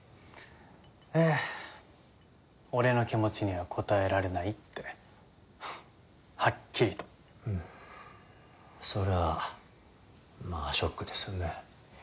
ええ俺の気持ちには応えられないってはっきりとそれはまあショックですよね